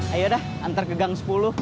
ayo dah antar ke gang sepuluh